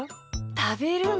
たべるの？